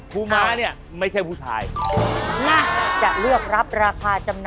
ภูมิมานี่ไม่ใช่ผู้ชาย